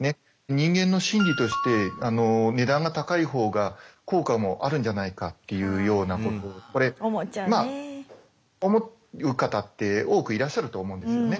人間の心理として値段が高いほうが効果もあるんじゃないかっていうようなことこれまあ思う方って多くいらっしゃると思うんですよね。